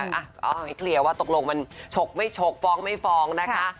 เอาให้เคลียร์ว่าตกลงมันฉกไม่ฉกฟ้องไม่ฟ้องนะคะ